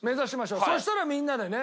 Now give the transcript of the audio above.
そうしたらみんなでね。